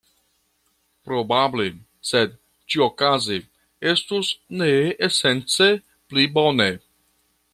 Probable, sed ĉiuokaze estus ne esence pli bone.